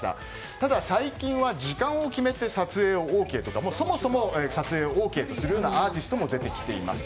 ただ、最近は時間を決めて撮影をＯＫとかそもそも撮影をＯＫとするようなアーティストも出てきています。